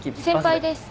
先輩です。